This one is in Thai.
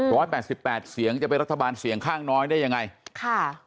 แปดสิบแปดเสียงจะเป็นรัฐบาลเสียงข้างน้อยได้ยังไงค่ะ